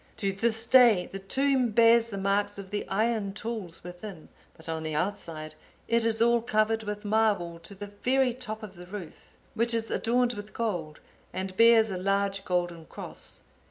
To this day the tomb bears the marks of the iron tools within, but on the outside it is all covered with marble to the very top of the roof, which is adorned with gold, and bears a large golden cross.